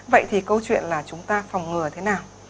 vậy thì câu chuyện là chúng ta phòng ngừa thế nào